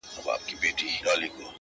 زه وايم راسه شعر به وليكو،